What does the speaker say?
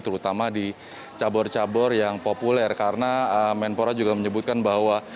terutama di cabur cabur yang populer karena menpora juga menyebutkan bahwa